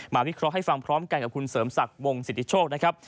วิเคราะห์ให้ฟังพร้อมกันกับคุณเสริมศักดิ์วงสิทธิโชคนะครับ